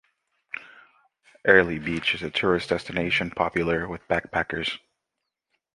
Airlie Beach is a tourist destination, popular with backpackers.